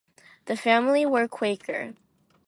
The family were Quaker.